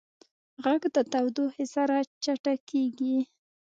غږ د تودوخې سره چټکېږي.